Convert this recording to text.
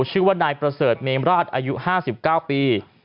ชื่อว่านายประเสริฐเมมราชอายุ๕๙ปี